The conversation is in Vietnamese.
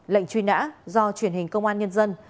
lệnh truy nã do truyền hình công an nhân dân